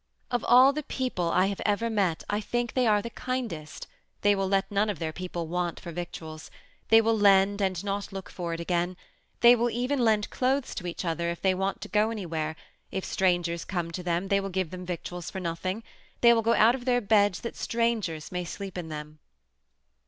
"Of all the people I have ever met I think they are the kindest, they will let none of their people want for victuals, they will lend and not look for it again, they will even lend clothes to each other if they want to go any where, if strangers come to them they will give them victuals for nothing, they will go out of their beds that strangers may sleep in them."